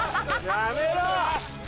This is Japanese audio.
やめろ！